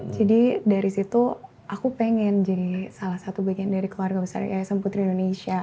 jadi dari situ aku pengen jadi salah satu bagian dari keluarga besar ism putri indonesia